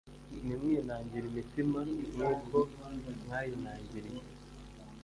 Ntimwinangire imitima Nk uko mwayinangiriye